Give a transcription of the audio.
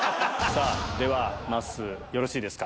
ではまっすーよろしいですか。